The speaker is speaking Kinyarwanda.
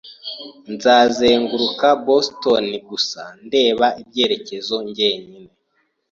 Nzazenguruka Boston gusa ndebe ibyerekezo njyenyine.